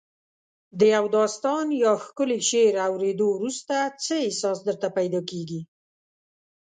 د یو داستان یا ښکلي شعر اوریدو وروسته څه احساس درته پیدا کیږي؟